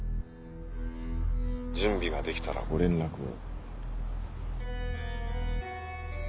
準備ができたらご連絡を。